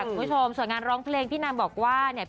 คุณผู้ชมส่วนงานร้องเพลงพี่นางบอกว่าเนี่ย